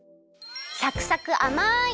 サクサクあまい！